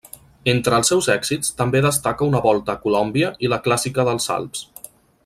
Entre els seus èxits també destaca una Volta a Colòmbia i la Clàssica dels Alps.